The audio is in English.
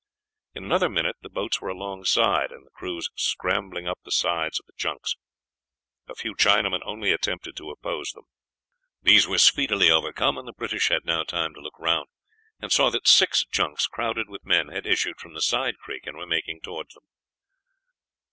In another minute the boats were alongside and the crews scrambling up the sides of the junks. A few Chinamen only attempted to oppose them. These were speedily overcome, and the British had now time to look round, and saw that six junks crowded with men had issued from the side creek and were making towards them.